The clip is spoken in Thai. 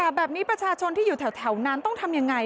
แบบนี้ประชาชนที่อยู่แถวนั้นต้องทำยังไง